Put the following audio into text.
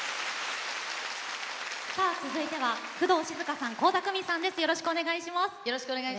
続いては工藤静香さん倖田來未さんです。